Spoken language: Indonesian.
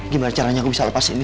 gimana caranya aku bisa lepas ini